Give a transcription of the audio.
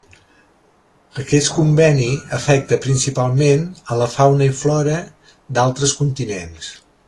Aquest conveni afecta principalment a la fauna i flora d'altres continents.